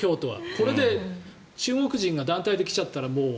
これで中国人が団体で来ちゃったら、もう。